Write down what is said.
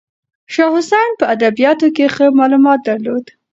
شاه حسین په ادبیاتو کې ښه معلومات درلودل.